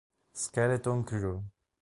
Skeleton Crew